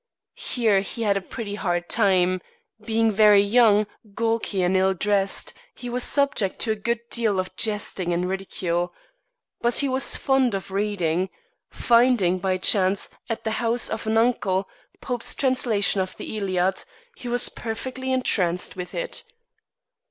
Here he had a pretty hard time. Being very young, gawky, and ill dressed, he was subject to a good deal of jesting and ridicule. But he was fond of reading. Finding, by chance, at the house of an uncle, Pope's translation of the Iliad, he was perfectly entranced with it.